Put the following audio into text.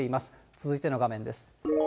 続いての画面です。